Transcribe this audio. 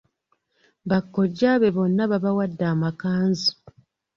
Bakojja be bonna babawadde amakanzu.